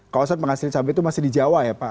kawasan penghasil cabai itu masih di jawa ya pak